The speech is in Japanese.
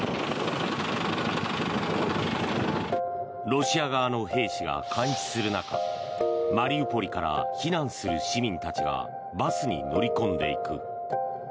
ロシア側の兵士が壊滅する中マリウポリから避難する市民たちがバスに乗り込んでいく。